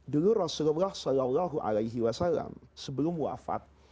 dulu rasulullah saw sebelum wafat